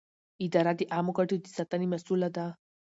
اداره د عامه ګټو د ساتنې مسووله ده.